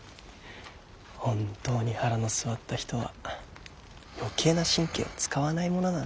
本当に腹の据わった人は余計な神経を使わないものなんですね。